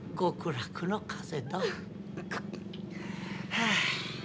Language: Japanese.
極楽の風だ。はあ。